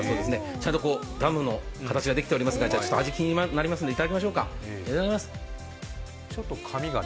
ちゃんとダムの形でできておりますが、味、気になりますのでいただきましょうか。